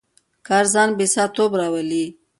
کار ځان بسیا توب راولي.